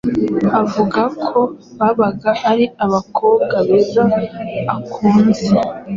Avuga ko babaga ari abakobwa beza akunze,